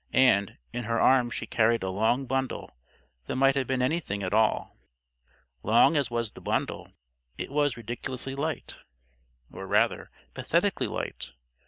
And, in her arms she carried a long bundle that might have been anything at all. Long as was the bundle, it was ridiculously light. Or, rather, pathetically light.